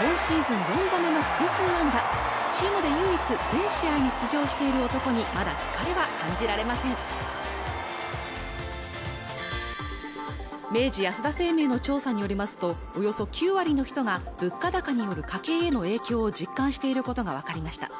今シーズン２度目の複数安打チームで唯一全試合に出場している男にまだ疲れは感じられません明治安田生命の調査によりますとおよそ９割の人が物価高による家計への影響を実感していることが分かりました